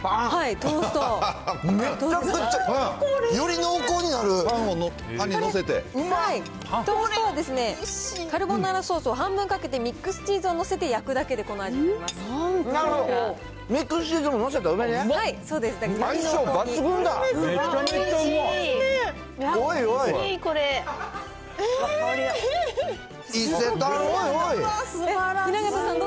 トーストは、カルボナーラソースを半分かけて、ミックスチーズを載せて焼くだなるほど。